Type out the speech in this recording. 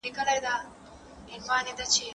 که توان زيات وي نفوذ به هم ډېر وي.